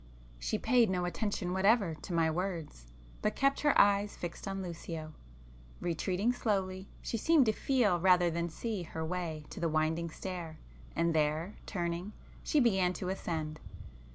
She paid no attention whatever to my words, but kept her eyes fixed on Lucio. Retreating slowly, she seemed to feel rather than see her way to the winding stair, and there, turning, she began to ascend.